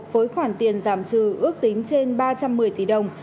với khoản tiền giảm trừ ước tính trên ba trăm một mươi tỷ đồng